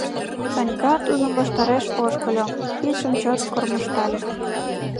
Санька тудын ваштареш ошкыльо, кидшым чот кормыжтале: